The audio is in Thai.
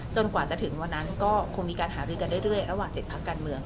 กว่าจะถึงวันนั้นก็คงมีการหารือกันเรื่อยระหว่าง๗พักการเมือง